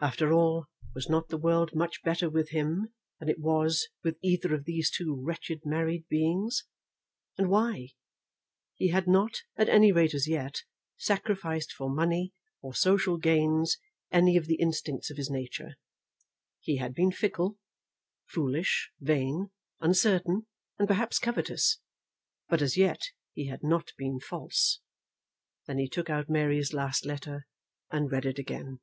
After all, was not the world much better with him than it was with either of those two wretched married beings? And why? He had not, at any rate as yet, sacrificed for money or social gains any of the instincts of his nature. He had been fickle, foolish, vain, uncertain, and perhaps covetous; but as yet he had not been false. Then he took out Mary's last letter and read it again.